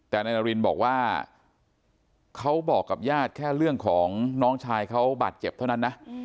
แต่นายนารินบอกว่าเขาบอกกับญาติแค่เรื่องของน้องชายเขาบาดเจ็บเท่านั้นนะ